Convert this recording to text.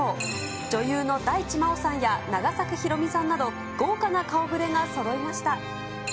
女優の大地真央さんや永作博美さんなど、豪華な顔ぶれがそろいました。